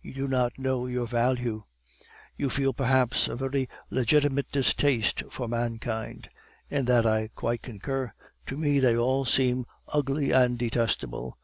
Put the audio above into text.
You do not know your value. You feel perhaps a very legitimate distaste for mankind; in that I quite concur to me they all seem ugly and detestable.